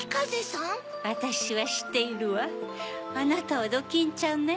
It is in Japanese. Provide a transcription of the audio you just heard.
わたしはしっているわあなたはドキンちゃんね。